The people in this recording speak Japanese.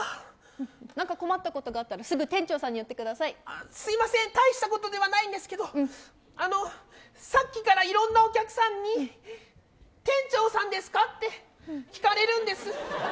何か困ったことあったらすみません、大したことではないんですけどさっきからいろんなお客さんに店長さんですか？って聞かれるんです。